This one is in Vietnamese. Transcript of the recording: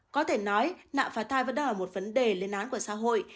có thể nói nạo phá thai vẫn đang là một vấn đề lên án của xã hội